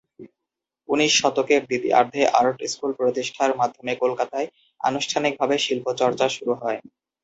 উনিশ শতকের দ্বিতীয়ার্ধে আর্ট স্কুল প্রতিষ্ঠার মাধ্যমে কলকাতায় আনুষ্ঠানিকভাবে শিল্প চর্চা শুরু হয়।